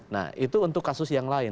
nah itu untuk kasus yang lain